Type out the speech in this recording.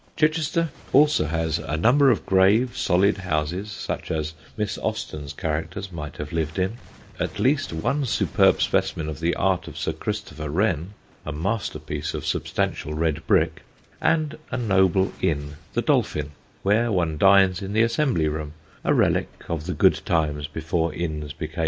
Chichester also has a number of grave, solid houses, such as Miss Austen's characters might have lived in; at least one superb specimen of the art of Sir Christopher Wren, a masterpiece of substantial red brick; and a noble inn, the Dolphin, where one dines in the Assembly room, a relic of the good times before inns became hotels.